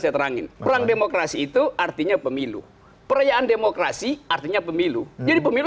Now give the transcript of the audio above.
saya terangin perang demokrasi itu artinya pemilu perayaan demokrasi artinya pemilu jadi pemilu